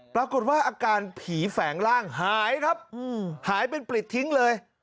ปรากฏว่าอาการผีแฝงร่างหาหายครับ